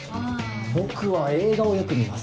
僕は映画をよく見ます。